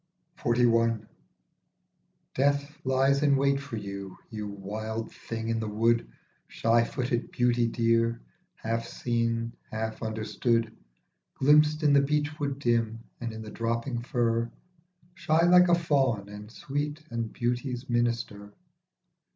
45 XLI. DEATH lies in wait for you, you wild thing in the wood, Shy footed beauty dear, half seen, half understood, Glimpsed in the beech wood dim and in the dropping fir, Shy like a fawn and sweet and beauty's minister.